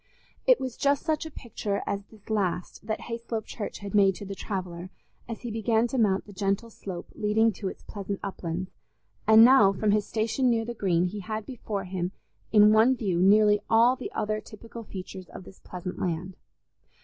It was just such a picture as this last that Hayslope Church had made to the traveller as he began to mount the gentle slope leading to its pleasant uplands, and now from his station near the Green he had before him in one view nearly all the other typical features of this pleasant land.